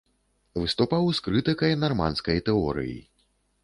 Выступаў з крытыкай нарманскай тэорыі.